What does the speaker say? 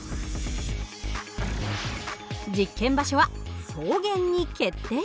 実験場所は草原に決定。